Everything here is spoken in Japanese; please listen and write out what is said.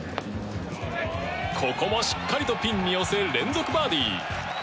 ここもしっかりとピンに寄せ連続バーディー。